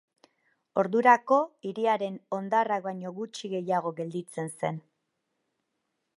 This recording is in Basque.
Ordurako hiriaren hondarrak baino gutxi gehiago gelditzen zen.